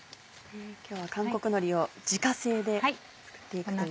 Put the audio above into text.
今日は韓国のりを自家製で作っていくという。